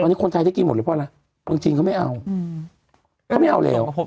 ตอนนี้คนไทยได้กินหมดเลยเพราะอะไรเมืองจีนเขาไม่เอาเขาไม่เอาแล้ว